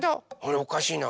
おかしいな。